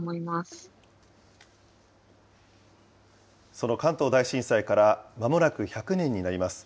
その関東大震災からまもなく１００年になります。